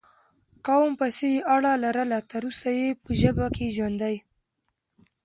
قوم پسې یې اړه لرله، تر اوسه یې په ژبه کې ژوندی